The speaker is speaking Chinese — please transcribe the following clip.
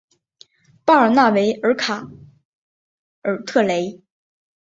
巴尔纳维尔卡尔特雷。